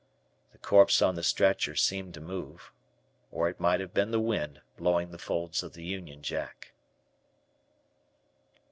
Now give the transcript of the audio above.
The corpse on the stretcher seemed to move, or it might have been the wind blowing the folds of the Union Jack.